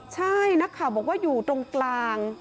ใช่นะคะบอกว่าอยู่ตรงกลาง